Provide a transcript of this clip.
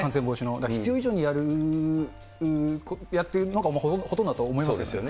必要以上にやっているのがほとんどだと思いますけどね。